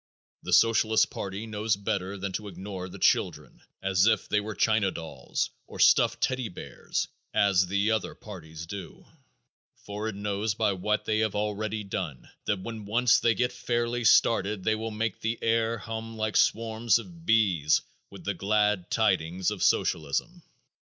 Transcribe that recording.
The Socialist party knows better than to ignore the children as if they were china dolls or stuffed teddy bears, as all the other parties do, for it knows by what they have already done that when once they get fairly started they will make the air hum like swarms of bees with the glad tidings of socialism.